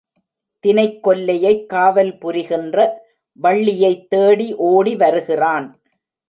தினைக் கொல்லையைக் காவல்புரிகின்ற வள்ளியைத் தேடி ஓடி வருகிறான்.